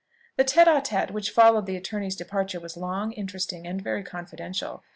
The tête à tête which followed the attorney's departure was long, interesting, and very confidential.